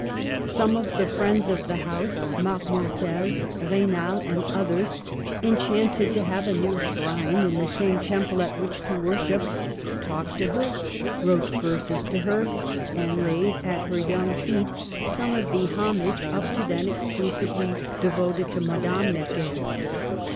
Some of the friends of the house, Marmontel, Raynal and others, enchanted to have a new shrine in the same temple at which to worship, talked to her, wrote verses to her, and laid at her young feet some of the homage up to then exclu sively devoted to Madame Necker.